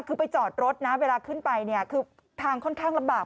คือไปจอดรถนะเวลาขึ้นไปเนี่ยคือทางค่อนข้างลำบาก